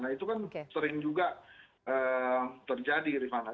nah itu kan sering juga terjadi rifana